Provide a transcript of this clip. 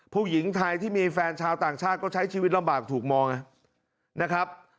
ผู้หญิงไทยที่มีแฟนชาวต่างชาติก็ใช้ชีวิตลำบากถูกมองนะครับ